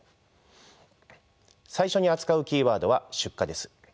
最初に扱うキーワードは出火です。